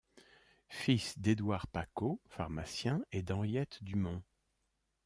Fils d'Édouard Pacaut, pharmacien, et d'Henriette Dumont.